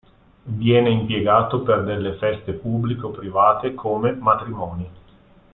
Viene impiegato per delle feste pubbliche o private come matrimoni.